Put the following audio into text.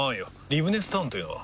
リブネスタウンというのは？